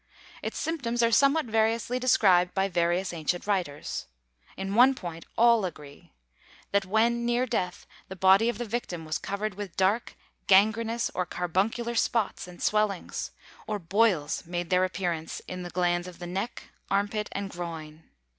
Its symptoms are somewhat variously described by various ancient writers. In one point all agree: that when near death the body of the victim was covered with dark, gangrenous or carbuncular spots and swellings, or boils made their appearance in the glands of the neck, armpit and groin.